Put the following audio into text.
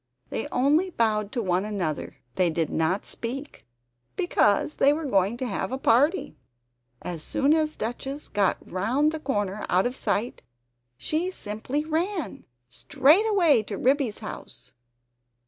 They only bowed to one another; they did not speak, because they were going to have a party. As soon as Duchess had got round the corner out of sight she simply ran! Straight away to Ribby's house!